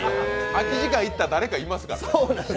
空き時間に行ったら誰かいますからね。